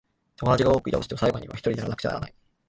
友達が多くいたとしても、最後にはひとりでやらなくちゃならない。